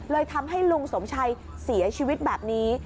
ทำให้ลุงสมชัยเสียชีวิตแบบนี้